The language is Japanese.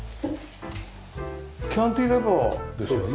キャンティレバーですよね。